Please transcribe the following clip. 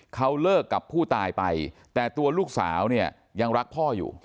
เขาเลิกกับผู้ตายไปแต่ตัวลูกสาวเนี่ยยังรักพ่ออยู่